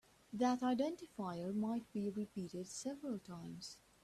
That identifier might be repeated several times.